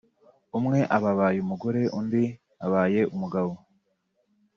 umwe aba abaye umugore undi abaye umugabo